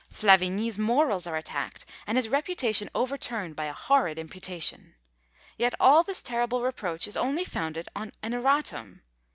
Flavigny's morals are attacked, and his reputation overturned by a horrid imputation. Yet all this terrible reproach is only founded on an Erratum!